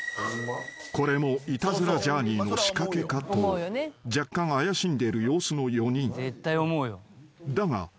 ［これも『イタズラ×ジャーニー』の仕掛けかと若干怪しんでる様子の４人］